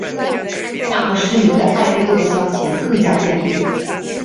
他和失明的艾费多的交情更加坚定。